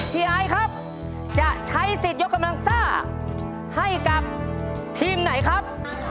ยายครับจะใช้สิทธิ์ยกกำลังซ่าให้กับทีมไหนครับ